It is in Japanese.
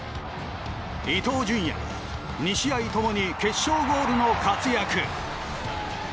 伊東純也が２試合共に決勝ゴールの活躍！